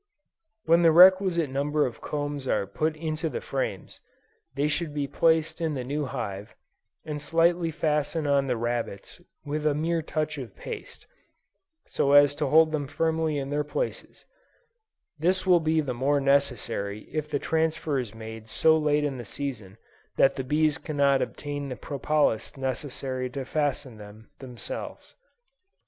When the requisite number of combs are put into the frames, they should be placed in the new hive, and slightly fastened on the rabbets with a mere touch of paste, so as to hold them firmly in their places; this will be the more necessary if the transfer is made so late in the season that the bees cannot obtain the propolis necessary to fasten them, themselves.